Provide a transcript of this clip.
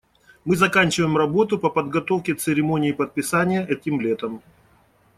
Мы заканчиваем работу по подготовке церемонии подписания этим летом.